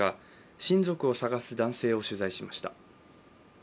親族を捜す男性を取材しました。